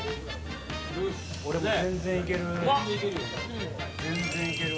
俺も全然いける。